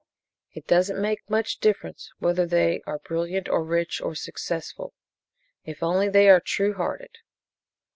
It doesn't make much difference whether they are brilliant or rich or successful, if only they are true hearted.